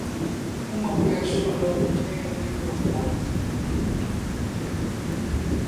Uma mulher chorando em um microfone.